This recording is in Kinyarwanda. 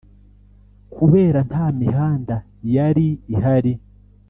kubera nta mihanda yari ihari